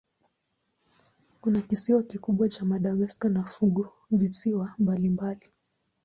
Kuna kisiwa kikubwa cha Madagaska na funguvisiwa mbalimbali.